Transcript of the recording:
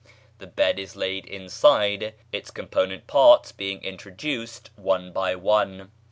The bed is laid inside, its component parts being introduced one by one.